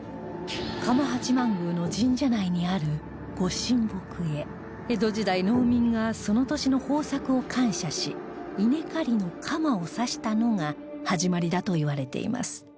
鎌八幡宮の神社内にある御神木へ江戸時代農民がその年の豊作を感謝し稲刈りの鎌を刺したのが始まりだといわれています